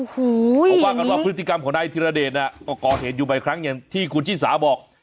เขาว่ากันว่าพฤติกรรมของนายธิรเดชน่ะก็ก่อเหตุอยู่บ่อยครั้งอย่างที่คุณชิสาบอก